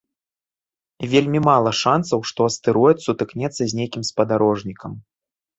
Вельмі мала шансаў, што астэроід сутыкнецца з нейкім спадарожнікам.